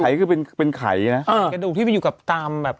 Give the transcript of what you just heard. ถ้าเป็นไขก็เป็นไขนะเออกระดูกที่มันอยู่กับตามแบบ